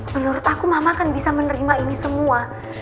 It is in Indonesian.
menurut aku mama akan bisa menerima ini semua